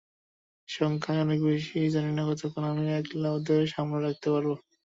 সংখ্যায় অনেক বেশি, জানি না কতক্ষণ আমি একলা ওদের সামলে রাখতে পারব!